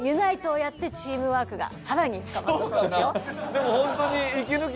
でもホントに。